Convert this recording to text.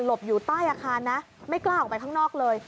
บอยู่ใต้อาคารนะไม่กล้าออกไปข้างนอกเลย